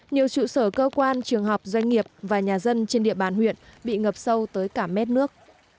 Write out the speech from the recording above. nhiều trụ sở cơ quan trường học doanh nghiệp và nhà dân trên địa bàn huyện bị ngập sâu tới cả mét nước